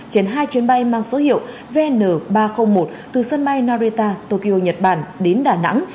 trên hai chuyến bay mang số hiệu vn ba trăm linh một từ sân bay nareta tokyo nhật bản đến đà nẵng